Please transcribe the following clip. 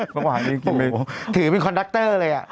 ประหว่างนี้เคลือถึงเป็นคอนดรัชเตอร์เลย